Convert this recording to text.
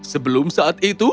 sebelum saat itu